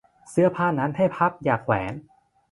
เสื้อผ้านั้นให้พับอย่าแขวน